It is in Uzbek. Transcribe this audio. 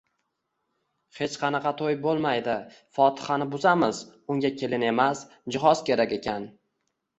Hech qanaqa to‘y bo‘lmaydi, fotihani buzamiz, unga kelin emas, jihoz kerak ekan